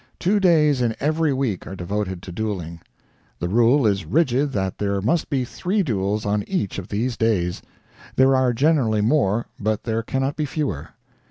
Two days in every week are devoted to dueling. The rule is rigid that there must be three duels on each of these days; there are generally more, but there cannot be fewer.